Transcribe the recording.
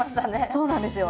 そうなんですよ。